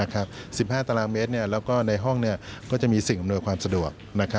๑๕ตารางเมตรแล้วก็ในห้องก็จะมีสิ่งอำนวยความสะดวก